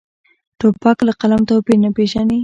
توپک له قلم توپیر نه پېژني.